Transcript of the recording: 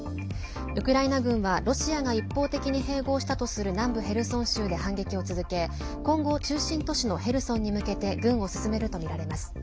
ウクライナ軍はロシアが一方的に併合したとする南部ヘルソン州で反撃を続け今後、中心都市のヘルソンに向けて軍を進めるとみられます。